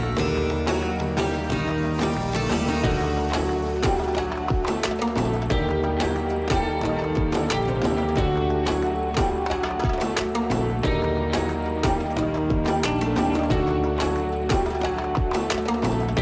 gua mah gitu